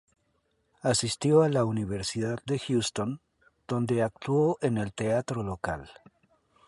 Asistió a la Universidad de Houston, donde actuó en el teatro local.